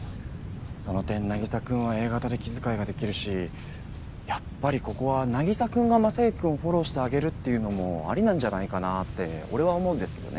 その点凪沙君はＡ型で気遣いができるしやっぱりここは凪沙君が征行君をフォローしてあげるっていうのもありなんじゃないかなって俺は思うんですけどね。